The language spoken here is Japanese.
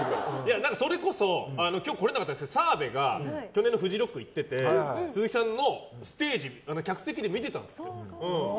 それこそ今日来れなかったですが澤部が去年のフジロックに行っていて鈴木さんのステージを客席で見てたんですよ。